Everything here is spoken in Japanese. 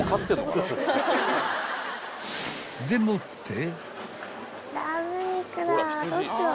［でもって］